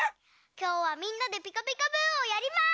きょうはみんなで「ピカピカブ！」をやります！